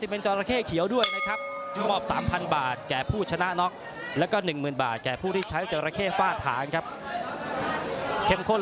เปลี่ยนกาดไปเรื่อยนะไอ้เจ้าพระยักษ์